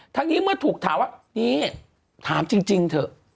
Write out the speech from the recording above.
ทั้งนี้เมื่อถูกถามว่านี่ถามจริงเถอะ